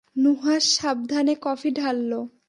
নুহাশ সাবধানে কফি ঢালল।